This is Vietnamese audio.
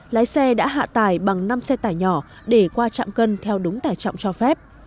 lái xe đã hạ tải bằng năm xe tải nhỏ để qua trạm cân theo đúng tải trọng cho phép